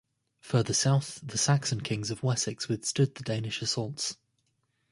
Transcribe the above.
Further south, the Saxon kings of Wessex withstood the Danish assaults.